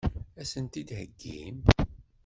Ad sen-t-id-theggim?